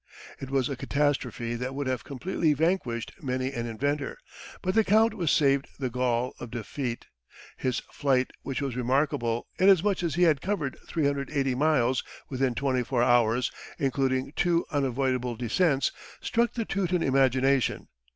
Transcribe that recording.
It was a catastrophe that would have completely vanquished many an inventor, but the Count was saved the gall of defeat. His flight, which was remarkable, inasmuch as he had covered 380 miles within 24 hours, including two unavoidable descents, struck the Teuton imagination.